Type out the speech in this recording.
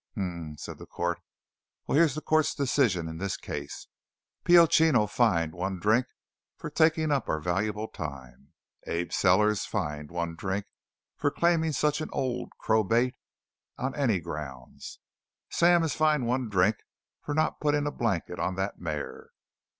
"H'm," said the court. "Well, here's the court's decision in this case. Pio Chino fined one drink for taking up our valuable time; Abe Sellers fined one drink for claiming such an old crow bait on any grounds; Sam is fined one drink for not putting a blanket on that mare."